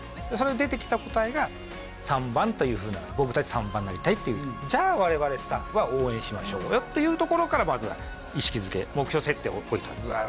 それで出てきた答えが「僕たち３番になりたい」っていうじゃあわれわれスタッフは応援しましょうよっていうところからまずは意識づけ目標設定をおいたんです